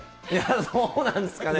どうなんですかね？